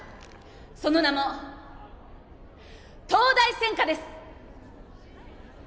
その名も東大専科です！